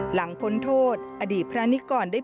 หลังพ้นโทษอดีตพระอนิกรได้ปลีก